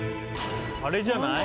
あれじゃない？